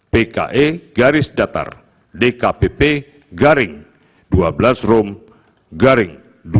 pke garis datar dkpp garing dua belas room garing dua